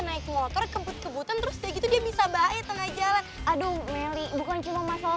naik motor kebut kebutan terus dia bisa baik tengah jalan aduh meli bukan cuma masalah